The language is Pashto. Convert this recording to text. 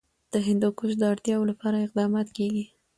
د هندوکش د اړتیاوو لپاره اقدامات کېږي.